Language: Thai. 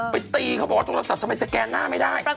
ไปตีเขาบอกว่าโทรศัพท์ทำไมสแกนหน้าไม่ได้